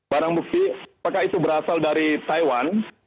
barang bukti apakah itu berasal dari taiwan